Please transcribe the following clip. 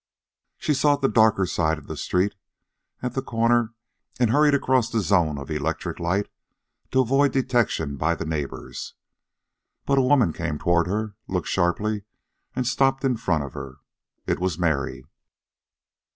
She sought the darker side of the street at the corner and hurried across the zone of electric light to avoid detection by the neighbors. But a woman came toward her, looked sharply and stopped in front of her. It was Mary.